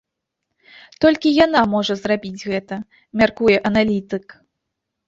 Толькі яна можа зрабіць гэта, мяркуе аналітык.